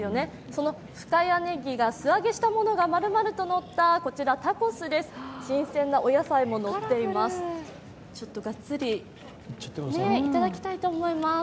その深谷ねぎが素揚げしたものが丸々と乗ったこちら、タコスです、新鮮なお野菜も乗っています。